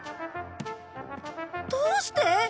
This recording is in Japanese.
どうして？